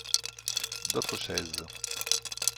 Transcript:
D’autres chaises.